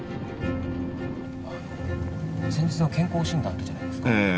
先日の健康診断あったじゃないですか。